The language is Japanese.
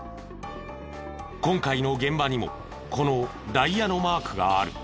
今回の現場にもこのダイヤのマークがある。